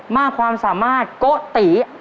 มากความสามารถโกะตี